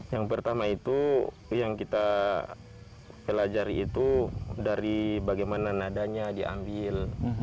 yang pertama itu yang kita pelajari itu dari bagaimana nadanya diambil